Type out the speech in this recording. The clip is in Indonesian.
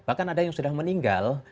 bahkan ada yang sudah meninggal